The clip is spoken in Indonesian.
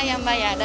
semua yang ada